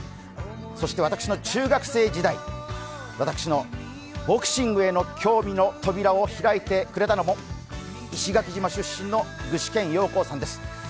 そして私の中学生時代、私のボクシングへの興味の扉を開いてくれたのも石垣島出身の具志堅用高さんです。